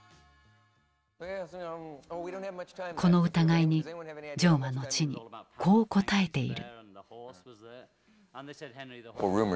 この疑いにジョンは後にこう答えている。